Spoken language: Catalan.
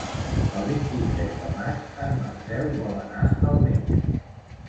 El vint-i-tres de maig en Marcel vol anar al metge.